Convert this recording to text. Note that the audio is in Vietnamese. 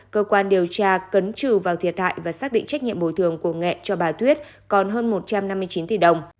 cơ quan điều tra cấn trừ vào thiệt hại và xác định trách nhiệm bồi thường của nghệ cho bà tuyết còn hơn một trăm năm mươi chín tỷ đồng